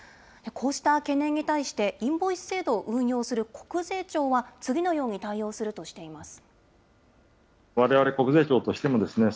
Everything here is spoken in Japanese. こうした懸念に対してインボイス制度を運用する国税庁は、次のように対応するとしています。